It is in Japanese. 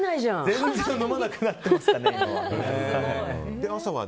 全然飲まなくなってます、今は。